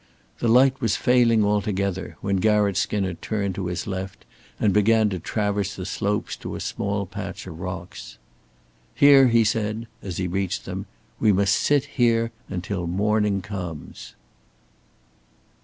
The light was failing altogether when Garratt Skinner turned to his left and began to traverse the slopes to a small patch of rocks. "Here!" he said, as he reached them. "We must sit here until the morning comes."